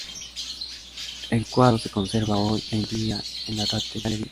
El cuadro se conserva hoy en día en la Tate Gallery de Londres.